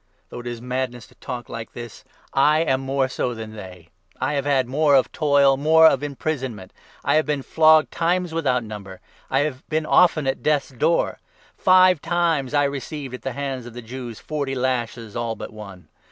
Though it is madness to 23 talk like this, I am more so than they ! I have had more of toil, more of imprisonment ! I have been flogged times without number. I have been often at death's door. Five 24 times I received at the hands of the Jews forty lashes, all but one.